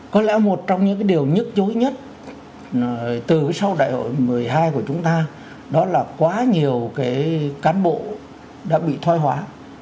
có lẽ một trong những điều nhức dối nhất từ sau đại hội một mươi hai của chúng ta đó là quá nhiều cán bộ đã bị thoai hóa